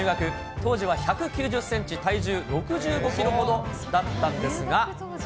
当時は１９０センチ、体重６５キロほどだったんですが。